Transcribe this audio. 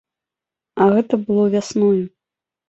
А гэта было вясною.